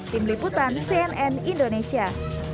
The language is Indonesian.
tim liputan cnn indonesia